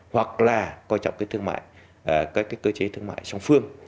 hoặc là coi trọng các cơ chế thương mại trong phương